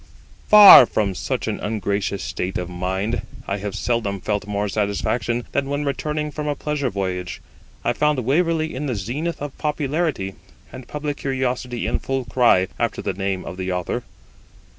Far from such an ungracious state of mind, I have seldom felt more satisfaction than when, returning from a pleasure voyage, I found Waverley in the zenith of popularity, and public curiosity in full cry after the name of the Author.